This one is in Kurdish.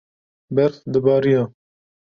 berf dibarîya